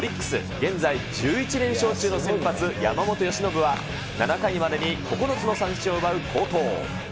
現在１１連勝中の先発、山本由伸は、７回までに９つの三振を奪う好投。